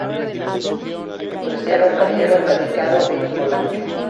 Empresario minero radicado en Olancho.